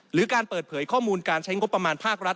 หรือการเปิดเผยข้อมูลการใช้งบประมาณภาครัฐ